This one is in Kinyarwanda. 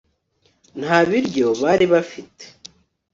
nta biryo bari bafite